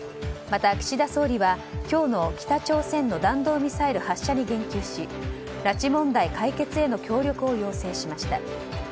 また、岸田総理は今日の北朝鮮の弾道ミサイル発射に言及し拉致問題解決への協力を要請しました。